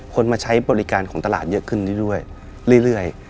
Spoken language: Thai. คนมาใช้บริการของตลาดเยอะขึ้นเรื่อย